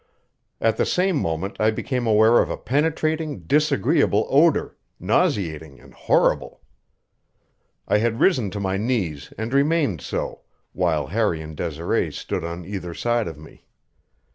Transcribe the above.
At the same moment I became aware of a penetrating, disagreeable odor, nauseating and horrible. I had risen to my knees and remained so, while Harry and Desiree stood on either side of me.